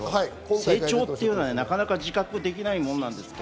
成長ってなかなか自覚できないものなんですよ。